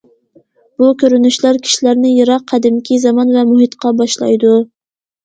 بۇ كۆرۈنۈشلەر كىشىلەرنى يىراق قەدىمكى زامان ۋە مۇھىتقا باشلايدۇ.